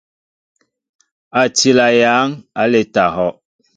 A tila yăŋ aleta ahɔʼ.